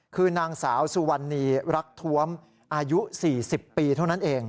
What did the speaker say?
คือนางสาวสุวรรณีรักท้วมอายุ๔๐ปีเท่านั้นเอง